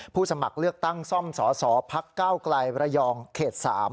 ผู้สมัครเลือกตั้งซ่อมสอสอภักดิ์๙กลายระยองเขต๓